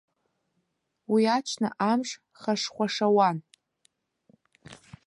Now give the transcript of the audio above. Уи аҽны амш хашхәашауан.